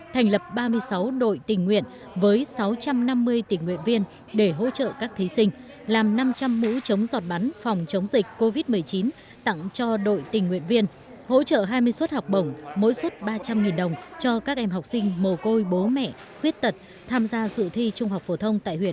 thành lập ba mươi sáu đội tình nguyện với sáu trăm năm mươi tình nguyện viên để hỗ trợ các thí sinh làm năm trăm linh mũ chống giọt bắn phòng chống dịch covid một mươi chín tặng cho đội tình nguyện viên hỗ trợ hai mươi suất học bổng mỗi suất ba trăm linh đồng cho các em học sinh